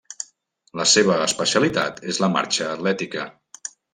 La seva especialitat és la marxa atlètica.